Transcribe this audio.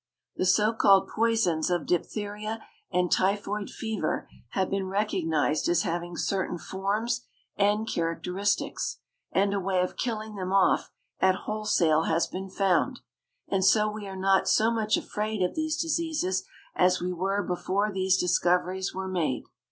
The so called poisons of diphtheria and typhoid fever have been recognized as having certain forms and characteristics, and a way of killing them off at wholesale has been found, and so we are not so much afraid of these diseases as we were before these discoveries were made.